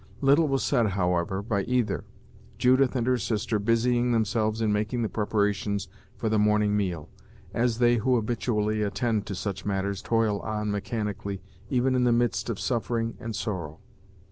Little was said, however, by either, Judith and her sister busying themselves in making the preparations for the morning meal, as they who habitually attend to such matters toil on mechanically even in the midst of suffering and sorrow.